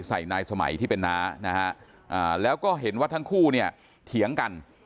ใส่นายสมัยที่เป็นน้านะฮะแล้วก็เห็นว่าทั้งคู่เนี่ยเถียงกัน